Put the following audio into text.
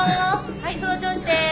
はいその調子です。